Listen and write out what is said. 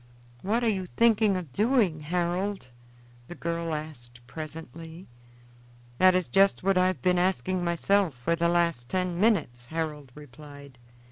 "What are you thinking of doing, Harold?" the girl asked presently. "That is just what I have been asking myself for the last ten minutes," Harold replied.